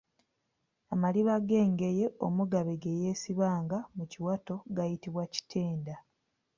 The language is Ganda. Amaliba g’engeye omugabe ge yeesibanga mu kiwato gayitibwa kitenda.